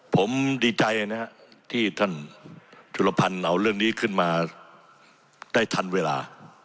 ผมดีใจนะครับที่ท่านจุลพันธ์เอาเรื่องนี้ขึ้นมาได้ทันเวลา